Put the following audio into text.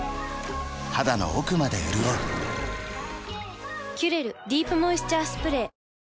肌の奥まで潤う「キュレルディープモイスチャースプレー」